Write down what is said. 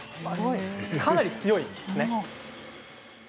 かなり強いんです！